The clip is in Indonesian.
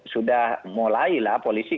sudah mulai lah polisi